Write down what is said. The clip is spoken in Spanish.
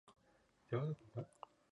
Todos ellos terrestres.